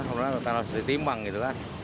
karena harus ditimbang gitu lah